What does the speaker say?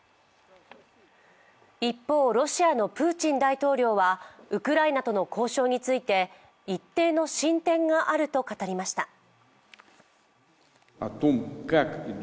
一方、ロシアのプーチン大統領はウクライナとの交渉について一定の進展があると語りました。